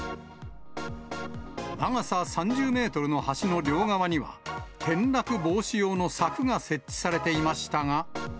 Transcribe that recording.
長さ３０メートルの橋の両側には、転落防止用の柵が設置されていましたが。